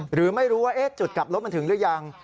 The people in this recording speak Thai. หรือไม่รู้ว่าจุดกลับรถมันถึงหรือยัง